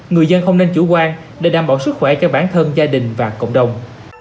người dân không nên chủ quan để đảm bảo sức khỏe cho bản thân gia đình và cộng đồng